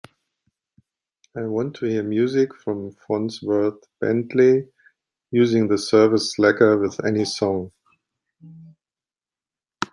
I want to hear music from Fonzworth Bentley using the service slacker with any song